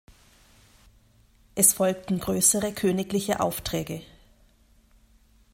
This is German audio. Es folgten größere königliche Aufträge.